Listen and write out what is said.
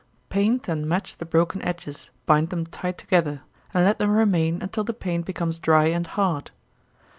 Paint and match the broken edges, bind them tight together, and let them remain until the paint becomes dry and hard.